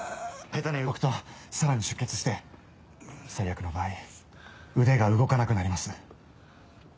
下手に動くとさらに出血して最悪の場合腕が動かなくなります。